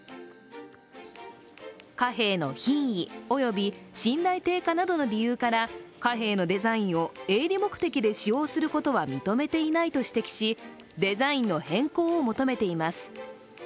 貨幣の品位及び信頼低下などの理由から貨幣のデザインを営利目的で使用することは認めていないと指摘し、デザインの変更を求めています。